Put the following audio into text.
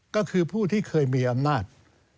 ก็คือผู้ที่เคยมีอำนาจ